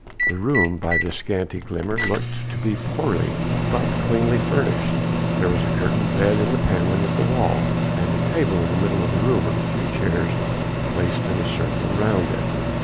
The room by this scanty glimmer looked to be poorly but cleanly furnished; there was a curtained bed in the panelling of the wall, and a table in the middle of the room with a few chairs placed in a circle round it.